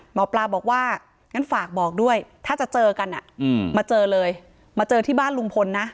หมอปลาบอกว่างั้นฝากบอกด้วยถ้าจะเจอกันมาเจอเลยมาเจอที่บ้านลุงพลนะ